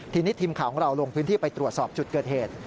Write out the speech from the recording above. ทีนี้ทีมข่าวของเราลงพื้นที่ไปตรวจสอบจุดเกิดเหตุ